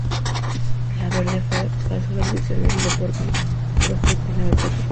Laverde pasó la audición, ayudado por Bill Bruford en la batería.